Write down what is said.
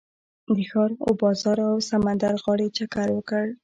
د ښار و بازار او سمندر غاړې چکر وکړ.